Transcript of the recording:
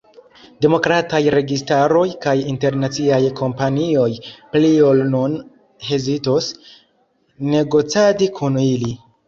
Demokrataj registaroj kaj internaciaj kompanioj pli ol nun hezitos, negocadi kun ili.